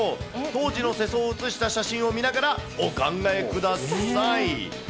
当時の世相を映した写真を見ながらお考えください。